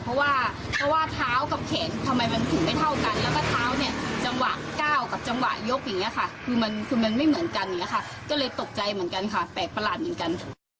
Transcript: เพราะว่าท้าวกับเข็นทำไมมันถึงไม่เท่ากัน